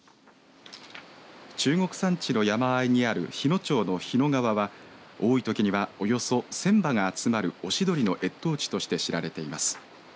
中国山地の山あいにある日野町の日野川は多いときにはおよそ１０００羽が集まるオシドリの越冬地として知られています。